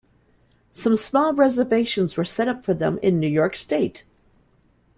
Some small reservations were set up for them in New York state.